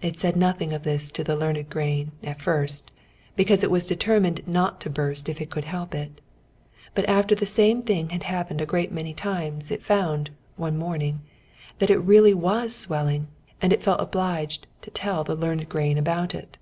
It said nothing of this to the learned grain, at first, because it was determined not to burst if it could help it; but after the same thing had happened a great many times, it found, one morning, that it really was swelling, and it felt obliged to tell the learned grain about it.